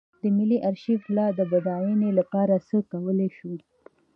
د ملي ارشیف د لا بډاینې لپاره څه کولی شو.